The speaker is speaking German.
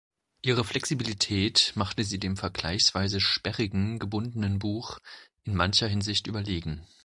Ihre Flexibilität machte sie dem vergleichsweise sperrigen gebundenen Buch in mancher Hinsicht überlegen.